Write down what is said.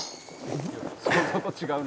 「そこ違うな」